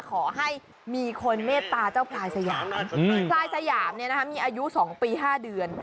ขอให้มีคนเมตตาเจ้าพลายสยามพลายสยามเนี่ยนะคะมีอายุ๒ปี๕เดือน